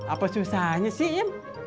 apa susahnya sih im